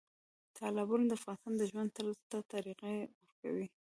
تالابونه د افغانانو د ژوند طرز ته تغیر ورکوي.